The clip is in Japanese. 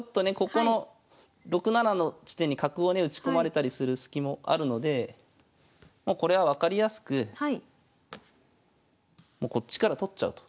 ここの６七の地点に角をね打ち込まれたりするスキもあるのでもうこれは分かりやすくもうこっちから取っちゃうと。